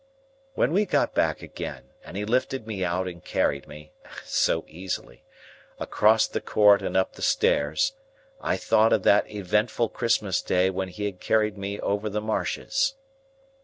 When we got back again, and he lifted me out, and carried me—so easily!—across the court and up the stairs, I thought of that eventful Christmas Day when he had carried me over the marshes.